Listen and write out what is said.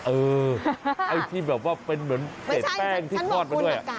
เออที่เหมือนเป็นเหมือนเผ็ดแป้งที่ทอดมาด้วย